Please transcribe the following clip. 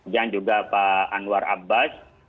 dan juga pak anwar abbas